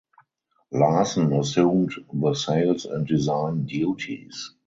Larson assumed the sales and design duties.